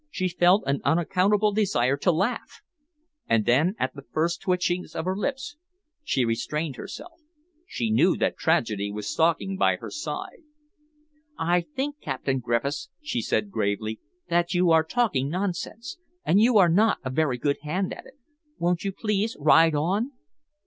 She felt an unaccountable desire to laugh, and then, at the first twitchings of her lips, she restrained herself. She knew that tragedy was stalking by her side. "I think, Captain Griffiths," she said gravely, "that you are talking nonsense, and you are not a very good hand at it. Won't you please ride on?"